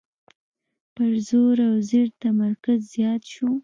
پر زور او زر تمرکز زیات شو.